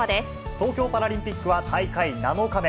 東京パラリンピックは大会７日目。